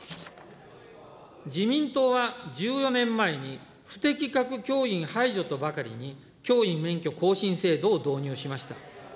自民党は１４年前に不適格教員排除とばかりに、教員免許更新制度を導入しました。